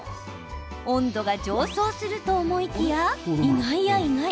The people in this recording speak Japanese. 温度が上昇すると思いきや意外や意外。